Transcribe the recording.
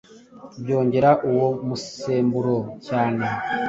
byongera uwo musemburo cyane